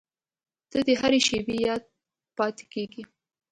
• ته د هر شېبې یاد پاتې کېږې.